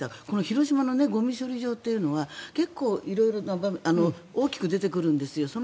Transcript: この広島のゴミ処理場というのは結構色々な場面で大きく出てくるんですよ。